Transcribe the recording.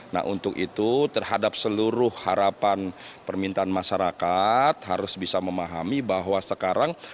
nah untuk itu terhadap seluruh harapan permintaan masyarakat harus bisa memahami bahwa sekarang